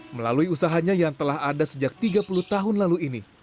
melalui usahanya yang telah ada sejak tiga puluh tahun lalu ini